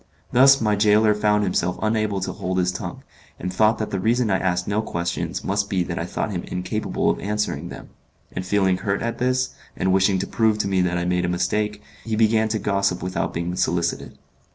Thus my gaoler found himself unable to hold his tongue, and thought that the reason I asked no questions must be that I thought him incapable of answering them; and feeling hurt at this, and wishing to prove to me that I made a mistake, he began to gossip without being solicited.